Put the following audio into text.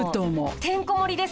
てんこ盛りですよ。